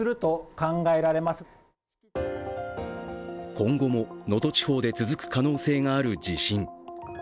今後も能登地方で続く可能性がある地震。